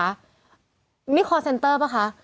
อะไรอันนี้คอร์เซ็นเตอร์เหรอค่ะ